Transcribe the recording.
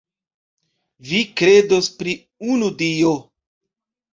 Vi kredos pri unu Dio.